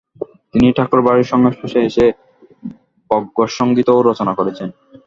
তিনি ঠাকুরবাড়ির সংস্পর্শে এসে ব্রহ্মসঙ্গীতও রচনা করেছেন।